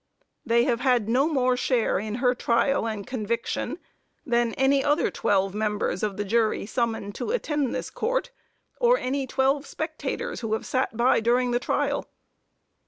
They have had no more share in her trial and conviction than any other twelve members of the jury summoned to attend this Court, or any twelve spectators who have sat by during the trial.